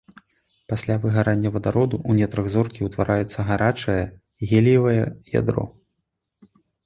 Пасля выгарання вадароду ў нетрах зоркі ўтвараецца гарачае геліевае ядро.